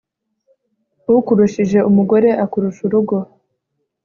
ukurushije umugore akurusha urugo